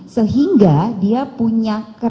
sehingga dia punya kerentanan